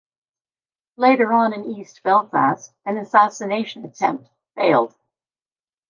Later on in East Belfast an assassination attempt failed.